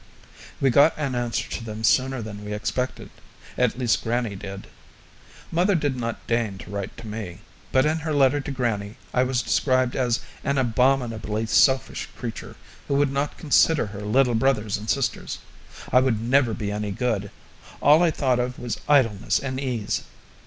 We got an answer to them sooner than we expected at least grannie did. Mother did not deign to write to me, but in her letter to grannie I was described as an abominably selfish creature, who would not consider her little brothers and sisters. I would never be any good; all I thought of was idleness and ease.